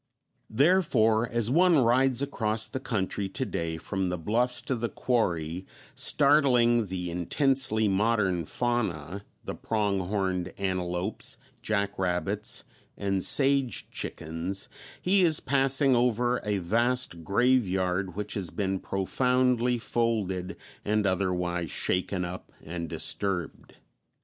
Therefore, as one rides across the country to day from the bluffs to the quarry, startling the intensely modern fauna, the prong horn antelopes, jack rabbits, and sage chickens, he is passing over a vast graveyard which has been profoundly folded and otherwise shaken up and disturbed.